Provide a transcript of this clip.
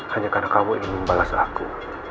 hanya karena kamu ingin membalas aku